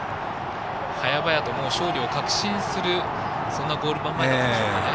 早々と勝利を確信するそんなゴール板前でしたね。